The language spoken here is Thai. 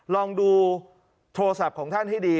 ลองดูโทรศัพท์ของท่านให้ดี